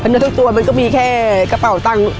เนื้อทุกตัวมันก็มีแค่กระเป๋าตังค์